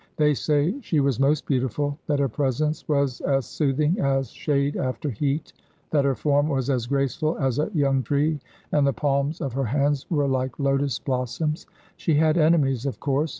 They say she was most beautiful, that her presence was as soothing as shade after heat, that her form was as graceful as a young tree, and the palms of her hands were like lotus blossoms. She had enemies, of course.